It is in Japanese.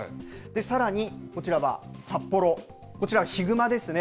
さらに、こちらは札幌、こちらはヒグマですね。